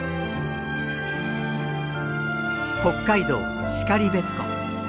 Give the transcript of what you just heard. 北海道然別湖。